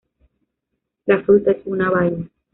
La fruta es una vaina.